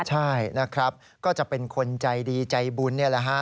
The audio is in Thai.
ใช่นะครับก็จะเป็นคนใจดีใจบุญนี่แหละฮะ